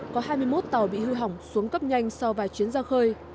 có hai mươi một tàu bị hư hỏng xuống cấp nhanh sau vài chuyến ra khơi